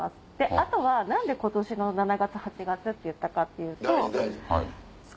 あとは何で今年の７月８月って言ったかっていうと。